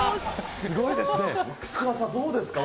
すごいですね。